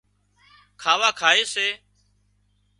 کاوا کائي سي